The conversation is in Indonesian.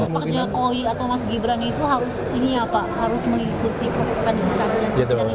pak jokowi atau mas gibran itu harus mengikuti proses kandungan lima tahun